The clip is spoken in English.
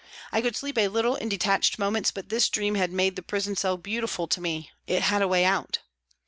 I could sleep a little in detached moments, but this dream had made the prison cell beautiful to me ; it had a way out.